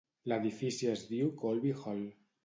L'edifici es diu Colby Hall.